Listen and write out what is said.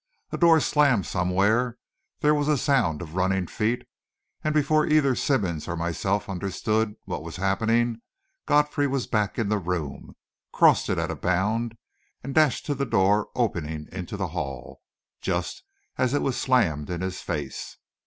A door slammed somewhere, there was a sound of running feet, and before either Simmonds or myself understood what was happening, Godfrey was back in the room, crossed it at a bound, and dashed to the door opening into the hall, just as it was slammed in his face.